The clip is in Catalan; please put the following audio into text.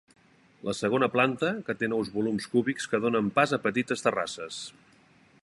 La segona planta, que té nous volums cúbics que donen pas a petites terrasses.